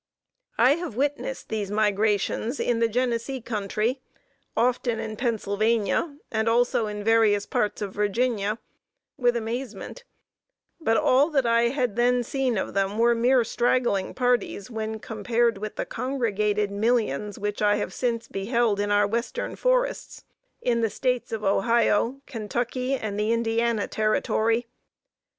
I have witnessed these migrations in the Genesee country, often in Pennsylvania, and also in various parts of Virginia, with amazement; but all that I had then seen of them were mere straggling parties, when compared with the congregated millions which I have since beheld in our Western forests, in the States of Ohio, Kentucky, and the Indiana territory.